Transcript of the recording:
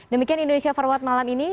demikian indonesia forward malam ini